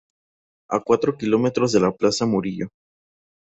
A cuatro kilómetros de la Plaza Murillo.